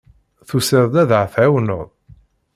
Tusiḍ-d ad ɣ-tεiwneḍ?